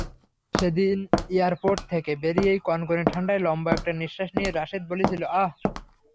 সেদিন এয়ারপোর্ট থেকে বেরিয়েই কনকনে ঠান্ডায় লম্বা একটা নিশ্বাস নিয়ে রাশেদ বলেছিল, আহ।